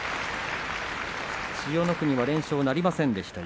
千代の国、連勝なりませんでした